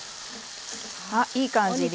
あっいい感じに。